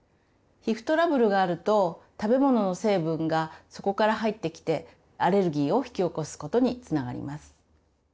皮膚トラブルがあると食べ物の成分がそこから入ってきてアレルギーを引き起こすことにつながります。